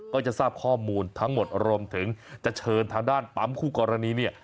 ก็จะทราบข้อมูลทั้งหมดรวมถึงจะเชิญทางด้านปั๊มคู่กรณีเนี่ย